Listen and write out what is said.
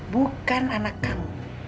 bukan anak kamu